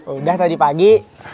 udah tadi pagi